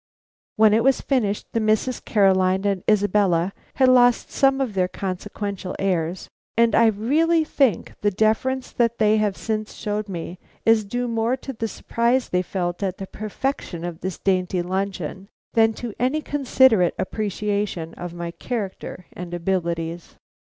When it was finished, the Misses Caroline and Isabella had lost some of their consequential airs, and I really think the deference they have since showed me is due more to the surprise they felt at the perfection of this dainty luncheon, than to any considerate appreciation of my character and abilities.